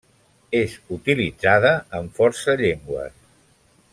És utilitzada en força llengües.